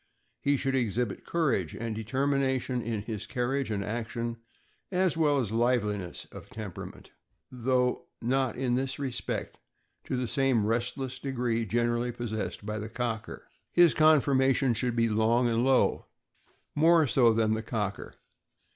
He should exhibit courage and determination in his carriage and action, as well as liveliness of tempera ment, though npt in this respect to the same restless degree 334 THE AMERICAN BOOK OF THE DOG. generally possessed by the Cocker. His conformation should be long and low, more so than the Cocker.